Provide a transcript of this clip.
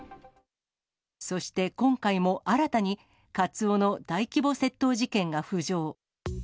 そして、今回も新たに、カツオの大規模窃盗事件が浮上。